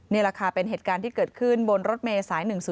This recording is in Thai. นี่แหละค่ะเป็นเหตุการณ์ที่เกิดขึ้นบนรถเมย์สาย๑๐๔